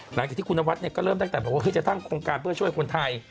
หลังจากที่คุณนวัดก็เริ่มตั้งแต่บอกว่าจะตั้งโครงการเพื่อช่วยคนไทย